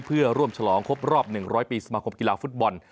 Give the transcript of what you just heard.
เพื่อร่วมฉลองครบรอบ๑๐๐ปีสมาคมกีฬาฟุตบอล